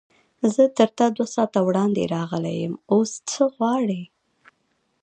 زه تر تا دوه ساعته وړاندې راغلی یم، اوس څه غواړې؟